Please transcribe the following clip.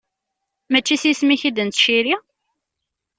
Mačči s yisem-ik i d-nettciri?